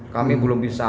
kami belum bisa